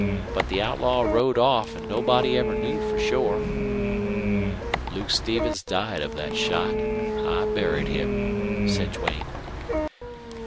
But the outlaw rode off, an' nobody ever knew for shore." "Luke Stevens died of that shot. I buried him," said Duane.